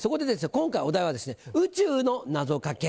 今回お題は「宇宙の謎掛け」。